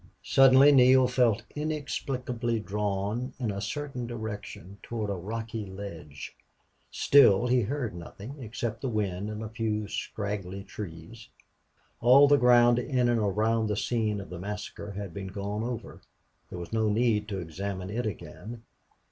Suddenly Neale felt inexplicably drawn in a certain direction toward a rocky ledge. Still he heard nothing except the wind in the few scraggy trees. All the ground in and around the scene of the massacre had been gone over; there was no need to examine it again.